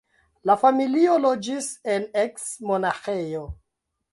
La familio loĝis en eks-monaĥejo.